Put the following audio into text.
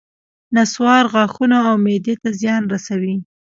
نصوار غاښونو او معدې ته زیان رسوي